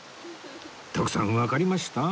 徳さんわかりました？